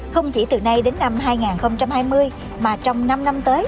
không chỉ từ nay đến năm hai nghìn hai mươi mà trong năm năm tới